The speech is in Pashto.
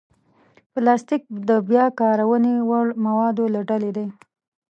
پلاستيک د بیا کارونې وړ موادو له ډلې دی.